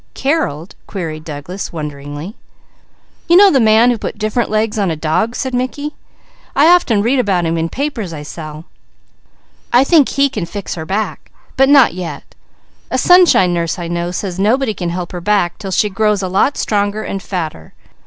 "'Carreled?'" queried Douglas wonderingly. "You know the man who put different legs on a dog?" said Mickey. "I often read about him in papers I sell. I think he can fix her back. But not yet. A Sunshine Nurse I know says nobody can help her back 'til she grows a lot stronger and fatter.